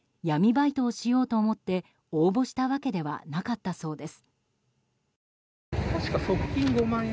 バイトをしようと思って応募したわけではなかったそうです。